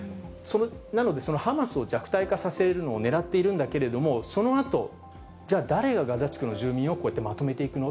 なのでハマスを弱体化させるのをねらっているんだけれども、そのあと、じゃあ誰がガザ地区の住民をこうやってまとめていくの？